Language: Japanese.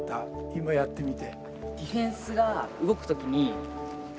今やってみて。